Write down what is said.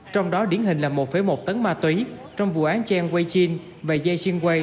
trong đó điển hình là một một tấn ma túy trong vụ án chiang wei chin và yeh shing wei